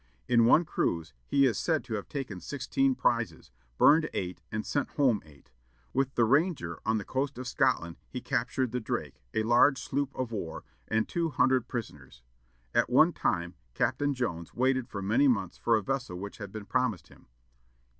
In one cruise he is said to have taken sixteen prizes; burned eight and sent home eight. With the Ranger, on the coast of Scotland, he captured the Drake, a large sloop of war, and two hundred prisoners. At one time, Captain Jones waited for many months for a vessel which had been promised him.